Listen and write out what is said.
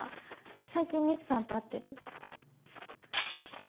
最近ミツさんと会ってる？